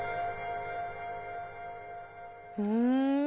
うん。